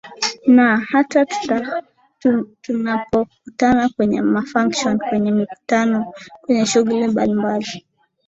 naa hata tunapokutana kwenye mafunction kwenye mikutano kwenye shughuli mbali mbali